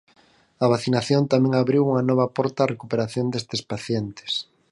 A vacinación tamén abriu unha nova porta á recuperación destes pacientes.